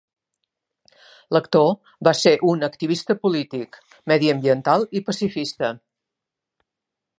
L'actor va ser un activista polític, mediambiental i pacifista.